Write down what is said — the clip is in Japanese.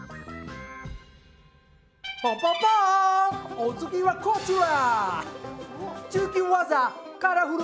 お次はこちら！